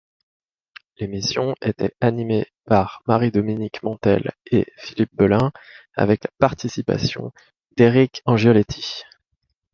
L'émission était animée par Marie-Dominique Montel et Philippe Belin, avec la participation d'Éric Angioletti.